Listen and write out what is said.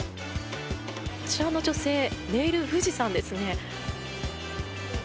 こちらの女性ネイル、富士山ですね。